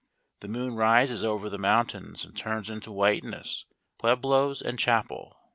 The moon rises over the mountains and turns into whiteness pueblos and chapel.